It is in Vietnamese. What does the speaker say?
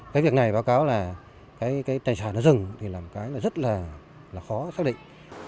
cái việc này báo cáo là tài sản rừng là một cái rất là khó xác định